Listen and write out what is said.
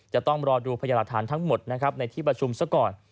จะต้องรอดูพยาบาททั้งหมดในที่ประชุมซะก่อน